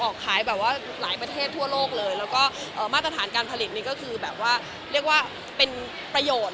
คือเรียกว่าเป็นประโยชน์